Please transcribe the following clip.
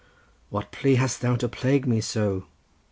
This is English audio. What plea hast thou to plague me so!